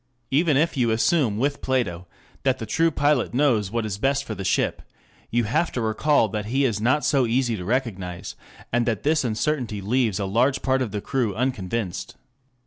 Even if you assume with Plato that the true pilot knows what is best for the ship, you have to recall that he is not so easy to recognize, and that this uncertainty leaves a large part of the crew unconvinced.